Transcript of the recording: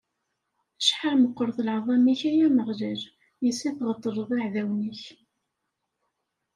Acḥal meqqret lɛaḍima-k, ay Ameɣlal, yes-s i tɣeṭṭleḍ iɛdawen-ik.